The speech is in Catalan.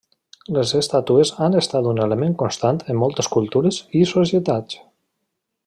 Les estàtues han estat un element constant en moltes cultures i societats.